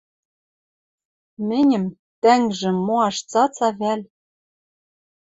Мӹньӹм — тӓнгжӹм моаш цӓцӓ вӓл?